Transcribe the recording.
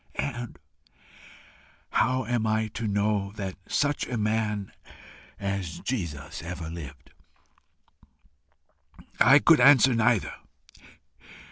and HOW AM I TO KNOW THAT SUCH A MAN AS JESUS EVERY LIVED? I could answer neither.